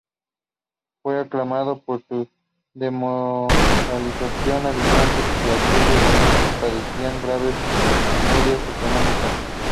Fue aclamado por sus desmoralizados habitantes que en aquellos momentos padecían graves penurias económicas.